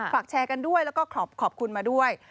ฝากแชร์กันด้วยแล้วก็ขอบคุณมาด้วย